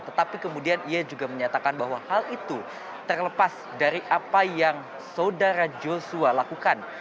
tetapi kemudian ia juga menyatakan bahwa hal itu terlepas dari apa yang saudara joshua lakukan